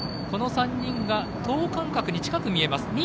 この３人が等間隔に近く見えます。